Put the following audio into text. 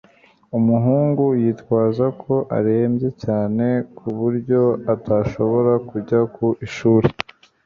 Umuhungu yitwaza ko arembye cyane ku buryo atashobora kujya ku ishuri